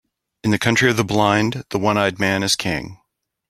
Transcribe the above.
In the country of the blind, the one-eyed man is king.